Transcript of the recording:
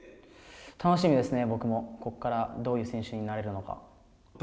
楽しみですね、僕も、ここからどういう選手になれるのか。